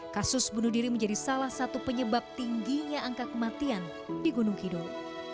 kasus bunuh diri menjadi salah satu penyebab tingginya angka kematian di gunung kidul